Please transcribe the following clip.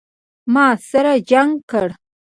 ما سر جګ کړ.